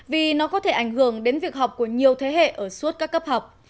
vì nó có thể ảnh hưởng đến việc học của nhiều thế hệ ở suốt các cấp học